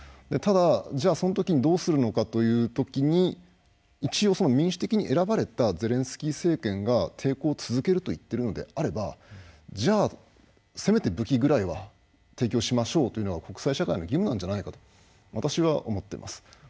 ただじゃあそのときにどうするのかというときに一応民主的に選ばれたゼレンスキー政権が抵抗を続けると言っているのであればじゃあせめて武器ぐらいは提供しましょうというのは国際社会の義務なんじゃないかと私は思っています。